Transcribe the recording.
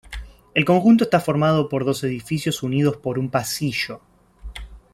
El conjunto está formado por dos edificios unidos por un pasillo.